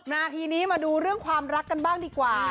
นาทีนี้มาดูเรื่องความรักกันบ้างดีกว่า